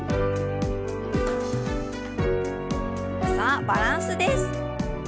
さあバランスです。